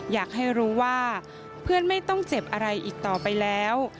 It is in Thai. อยากให้รู้ว่าเพื่อนไม่ต้องเจ็บอะไรอีกต่อไปแล้ว